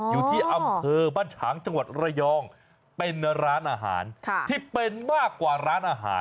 อยู่ที่อำเภอบ้านฉางจังหวัดระยองเป็นร้านอาหารที่เป็นมากกว่าร้านอาหาร